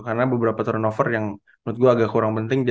karena beberapa turnover yang menurut gue agak kurang penting